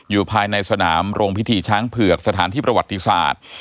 อยู่ภายในสนามโรงพิธีช้างเผือกสถานที่ประวัติศาสตร์